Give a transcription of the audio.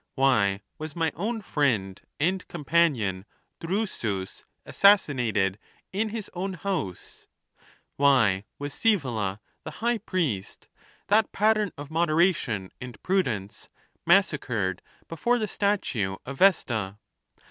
Why was my own friend and companion Drusus assassinated in his own house ? Why was ScsBvola, the high priest, that pattern of moderation and prudence, massacred before the statue of Vesta